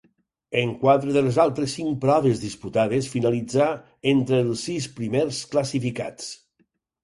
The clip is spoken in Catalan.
En quatre de les altres cinc proves disputades finalitzà entre els sis primers classificats.